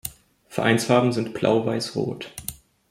Vereinsfarben sind "Blau-Weiß-Rot".